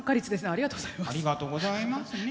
ありがとうございますね。